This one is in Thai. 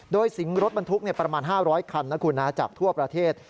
โดยสิงรถบรรทุกประมาณ๕๐๐คันนะคุณจากทั่วประเทศ